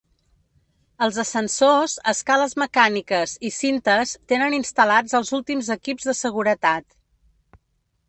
Els ascensors, escales mecàniques i cintes tenen instal·lats els últims equips de seguretat.